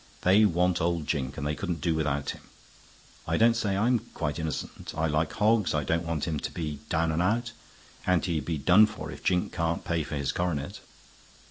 They want old Jink, and they couldn't do without him. I don't say I'm quite innocent. I like Hoggs; I don't want him to be down and out; and he'd be done for if Jink can't pay for his coronet.